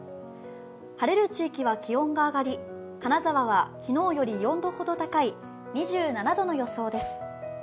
晴れる地域は気温が上がり金沢は昨日より４度ほど高い２７度の予想です。